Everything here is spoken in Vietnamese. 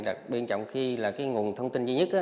đặc biên trọng khi là cái nguồn thông tin duy nhất